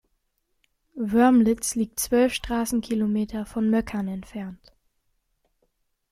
Wörmlitz liegt zwölf Straßen-Kilometer von Möckern entfernt.